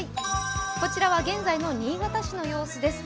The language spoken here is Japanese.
こちらは現在の新潟市の様子です。